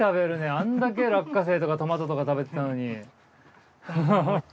あんだけ落花生とかトマトとか食べてたのに。